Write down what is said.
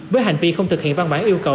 với hành vi không thực hiện văn bản yêu cầu